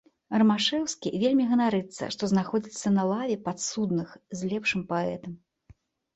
Рымашэўскі вельмі ганарыцца, што знаходзіцца на лаве падсудных з лепшым паэтам.